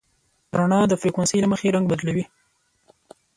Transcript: رڼا د فریکونسۍ له مخې رنګ بدلوي.